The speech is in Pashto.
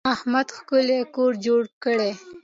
احمد ښکلی کور جوړ کړی.